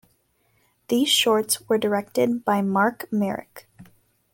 These shorts were directed by Mark Marek.